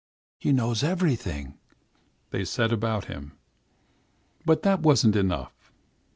'He knows everything,' they said about him. "But that was not enough.